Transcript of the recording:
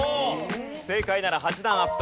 正解なら８段アップという。